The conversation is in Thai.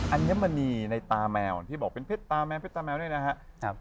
อัญมณีในตาแมวพี่บอกเป็นเพศตาแมวด้วยนะครับ